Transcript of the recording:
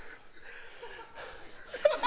ハハハハ！